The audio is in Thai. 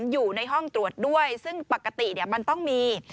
อยู่ในห้องตรวจด้วยซึ่งปกติมันต้องมี